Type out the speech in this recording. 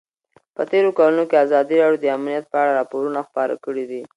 په تېرو کلونو کې ازادي راډیو د امنیت په اړه راپورونه خپاره کړي دي.